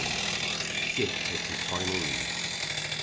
DICK TAKES HIS FINAL LEAVE.